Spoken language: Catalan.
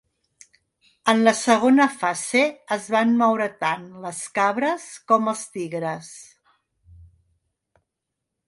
En la segona fase es van moure tant les cabres com els tigres.